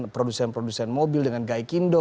produsen produsen mobil dengan gaikindo